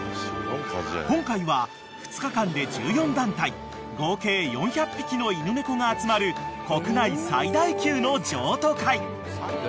［今回は２日間で１４団体合計４００匹の犬猫が集まる国内最大級の譲渡会］